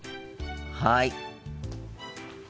はい。